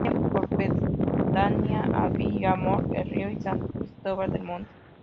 Tiene por pedanía a Villamayor del Río y San Cristóbal del Monte.